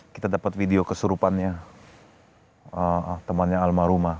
kita dapat video kesurupannya temannya alma rumah